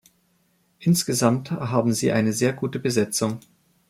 Insgesamt haben Sie eine sehr gute Besetzung.